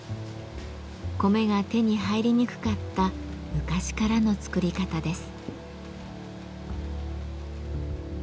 米が手に入りにくかった昔からの作り方です。